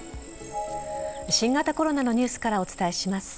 新型コロナのニュースからお伝えします。